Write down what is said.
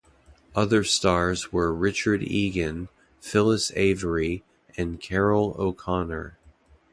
Other stars were Richard Egan, Phyllis Avery, and Carroll O'Connor.